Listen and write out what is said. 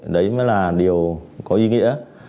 đấy mới là điều có ý nghĩa